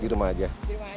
di rumah aja baik